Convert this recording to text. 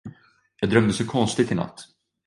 Jag drömde så konstigt inatt.